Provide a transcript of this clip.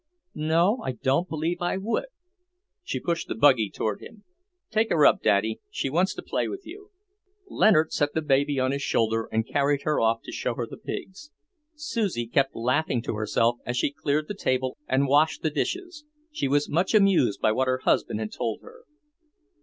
"No, I don't believe I would." She pushed the buggy toward him. "Take her up, Daddy. She wants to play with you." Leonard set the baby on his shoulder and carried her off to show her the pigs. Susie kept laughing to herself as she cleared the table and washed the dishes; she was much amused by what her husband had told her.